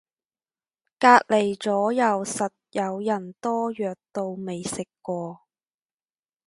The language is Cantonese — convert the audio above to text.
隔離咗右實有人多藥到未食過